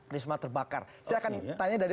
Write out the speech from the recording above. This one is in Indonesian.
risma terbakar saya akan tanya dari